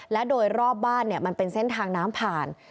และโดยรอบบ้านมันเป็นเส้นทางน้ำผ่าน